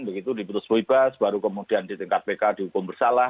begitu diputus bebas baru kemudian di tingkat pk dihukum bersalah